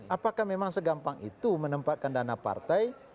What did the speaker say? apakah memang segampang itu menempatkan dana partai